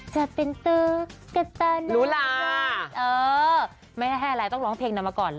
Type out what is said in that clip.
จะเป็นตือกับตาน้อยลูลาเออไม่แท้อะไรต้องร้องเพลงนั้นมาก่อน